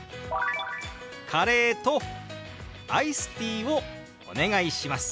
「カレーとアイスティーをお願いします」。